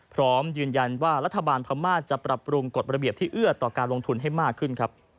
พร้อมยืนยันว่ารัฐบาลพม่าจะปรับปรุงกฎระเบียบที่เอื้อต่อการลงทุนให้มากขึ้นครับ